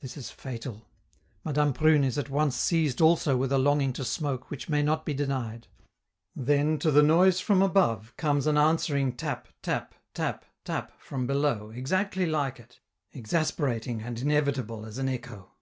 This is fatal. Madame Prune is at once seized also with a longing to smoke which may not be denied; then, to the noise from above, comes an answering tap, tap, tap, tap, from below, exactly like it, exasperating and inevitable as an echo.